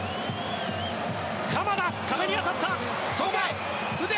鎌田、壁に当たった！